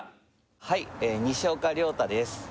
はい西岡遼太です